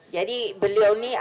jadi beliau nih